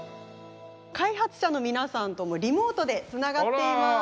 開発者の皆さんともリモートでつながっています。